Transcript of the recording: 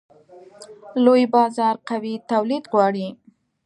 لوی بازار قوي تولید غواړي.